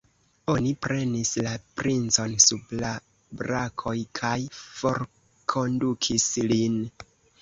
Oni prenis la princon sub la brakoj kaj forkondukis lin.